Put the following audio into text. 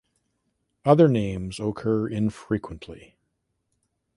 Other names occur infrequently.